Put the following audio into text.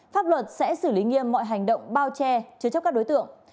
pháp luật sẽ xử lý nghiêm mọi hành động bao che chứa chấp các đối tượng